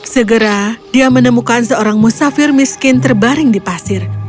segera dia menemukan seorang musafir miskin terbaring di pasir